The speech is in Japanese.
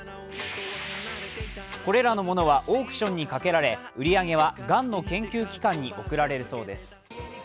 これらのものはオークションにかけられ売り上げは、がんの研究機関に送られるそうです。